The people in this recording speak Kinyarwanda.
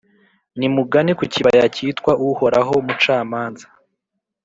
nimugane ku kibaya cyitwa ’Uhoraho mucamanza’,